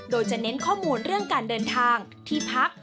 โดยจะเน้นข้อมูลเรื่องการเดินทางที่พัก